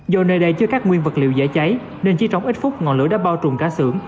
tại đây chưa các nguyên vật liệu dễ cháy nên chỉ trong ít phút ngọn lửa đã bao trùm cả xưởng